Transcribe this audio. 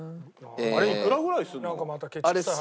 あれいくらぐらいするの？